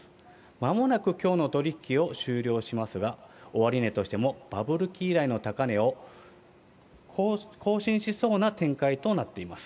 まもなくきょうの取り引きを終了しますが、終値としてもバブル期以来の高値を更新しそうな展開となっています。